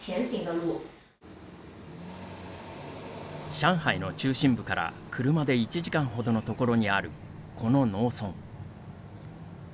上海の中心部から車で１時間ほどの所にあるこの農村。